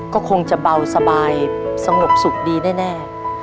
ก็คงจะเบาสบายสงบสุขดีแน่